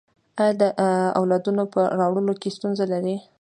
ایا د اولاد په راوړلو کې ستونزه لرئ؟